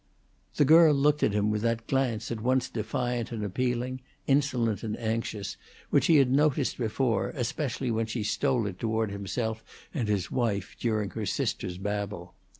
The girl looked at him with that glance at once defiant and appealing, insolent and anxious, which he had noticed before, especially when she stole it toward himself and his wife during her sister's babble.